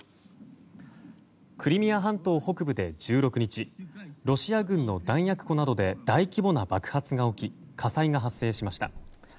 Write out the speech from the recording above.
クリミア半島北部で１６日ロシア軍の弾薬庫などで大規模な爆発が起き火災が発生しました。